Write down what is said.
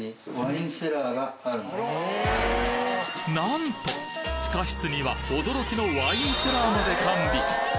なんと地下室には驚きのワインセラーまで完備